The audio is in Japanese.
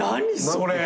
それ。